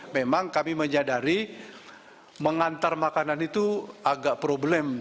memang kami menyadari mengantar makanan itu agak problem